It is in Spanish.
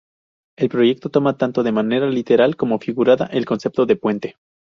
El proyecto toma tanto de manera literal como figurada el concepto de puente.